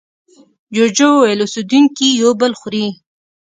جوجو وویل اوسېدونکي یو بل خوري.